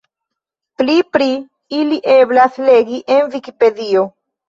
Pli pri ili eblas legi en Vikipedio.